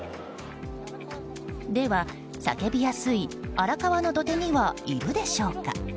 では、叫びやすい荒川の土手にはいるでしょうか。